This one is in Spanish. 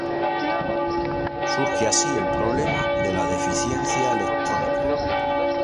Surge así el problema de la deficiencia electrónica.